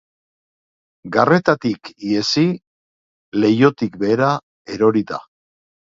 Garretatik ihesi, leihotik behera erori da.